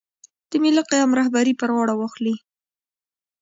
د ملي قیام رهبري پر غاړه واخلي.